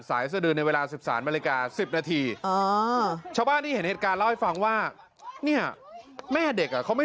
แล้วออกมาทำงานตามปกติ